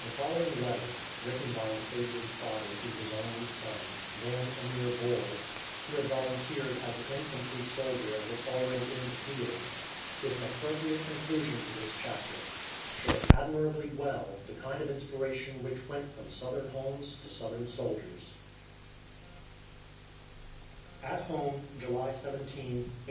The following letter, written by an aged father to his only son, then a mere boy, who had volunteered as an infantry soldier and was already in the field, is an appropriate conclusion to this chapter; showing admirably well the kind of inspiration which went from Southern homes to Southern soldiers: AT HOME, July 17, 1861.